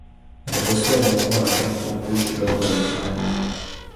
Il reçoit néanmoins un carton rouge lors de la finale.